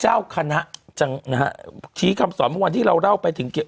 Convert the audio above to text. เจ้าคณะจังนะฮะชี้คำสอนเมื่อวันที่เราเล่าไปถึง